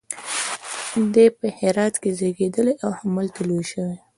دی په هرات کې زیږېدلی او همالته لوی شوی.